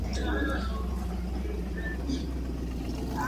No representa ningún peligro para el ser humano.